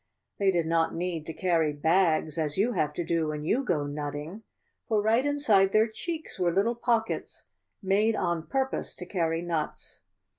They did not need to carry bags, as you have to do when you go nutting, for right inside their cheeks were lit tle pockets made on purpose to carry nuts.